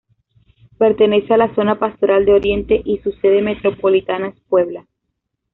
Pertenece a la Zona Pastoral de Oriente y su sede metropolitana es Puebla.